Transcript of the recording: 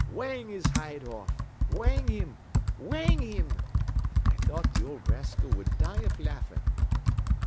Whang his hide off! Whang him! Whang him!' An' I thought th' old raskil would die av laffin'.